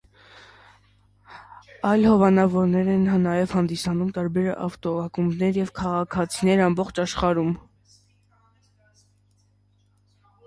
Այլ հովանավորներ են նաև հանդիսանում տարբեր ավտոակումբներ և քաղաքացիներ ամբողջ աշխարհում։